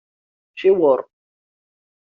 Ciweṛ.